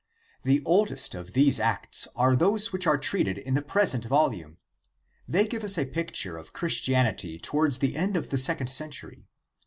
The old est of these Acts are those which are treated in the present volume. They give us a picture of Chris tianity towards the end of the second century.